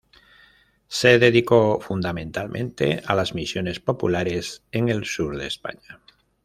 Se dedicó fundamentalmente a las misiones populares en el sur de España.